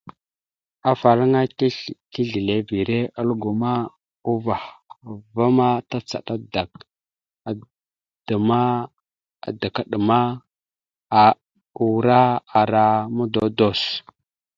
Afalaŋana tislevere aləgo, uvah a ma tacaɗ adak, adəma, ura, ara mododos.